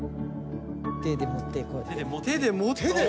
手で持ってこう。